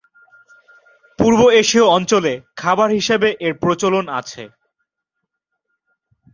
পূর্ব এশীয় অঞ্চলে খাবার হিসেবে এর প্রচলন আছে।